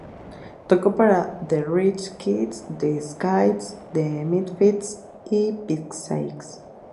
Tocó para The Rich Kids, The Skids, The Misfits y Visage.